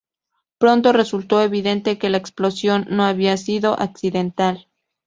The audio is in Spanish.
Pronto resultó evidente que la explosión no había sido accidental.